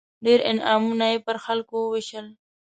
ډېر انعامونه یې پر خلکو ووېشل.